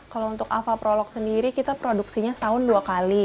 kalau untuk ava prolog sendiri kita produksinya setahun dua kali